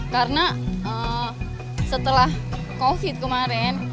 karena setelah covid kemarin